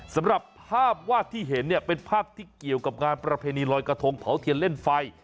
สำหรับภาพวาดที่เห็นเนี่ยเป็นภาพที่เกี่ยวกับงานประเพณีลอยกระทงเผาเทียนเล่นไฟ